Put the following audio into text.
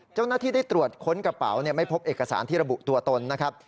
เจ้าหน้าที่ได้ตรวจค้นกระเป๋าไม่พบเอกสารที่ระบุตัวตนนะครับ